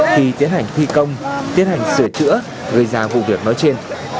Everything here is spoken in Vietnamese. khi tiến hành thi công tiến hành sửa chữa gây ra vụ việc nói trên